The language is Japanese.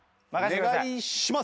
お願いします！